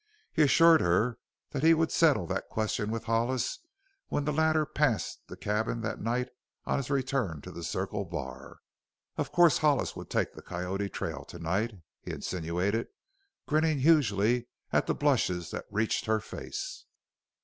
He assured her that he would settle that question with Hollis when the latter passed the cabin that night on his return to the Circle Bar. Of course Hollis would take the Coyote trail to night, he insinuated, grinning hugely at the blushes that reached her face.